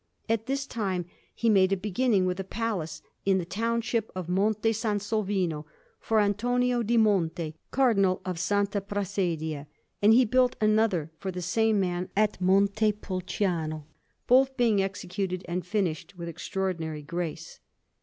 At this time, he made a beginning with a palace in the township of Monte San Sovino, for Antonio di Monte, Cardinal of Santa Prassedia; and he built another for the same man at Montepulciano, both being executed and finished with extraordinary grace.